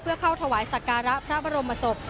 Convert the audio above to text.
เพื่อเข้าถวายสักการะพระบรมศพ